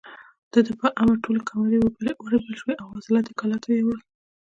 د ده په امر ټولې کروندې ورېبل شوې او حاصلات يې کلاوو ته يووړل.